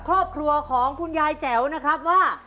ครอบครัวของคุณยายแจ๋วนะครับว่า